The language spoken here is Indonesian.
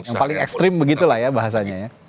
yang paling ekstrim begitu lah ya bahasanya ya